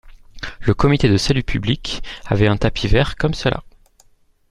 Le comité de salut public avait un tapis vert comme cela.